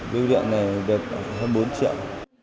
bưu điện này được hơn bốn triệu